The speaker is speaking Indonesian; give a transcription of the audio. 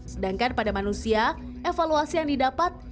sedangkan pada manusia evaluasi yang didapat